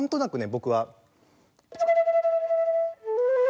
僕は。